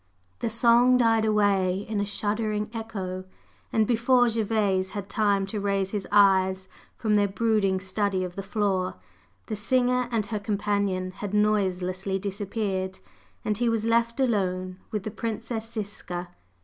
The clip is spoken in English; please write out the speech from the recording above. The song died away in a shuddering echo, and before Gervase had time to raise his eyes from their brooding study of the floor the singer and her companion had noiselessly disappeared, and he was left alone with the Princess Ziska.